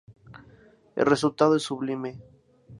El resultado es sublime’’.